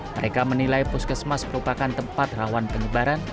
mereka menilai puskesmas merupakan tempat rawan penyebaran